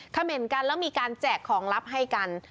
เขม่นกันแล้วมีการแจกของลับให้กัน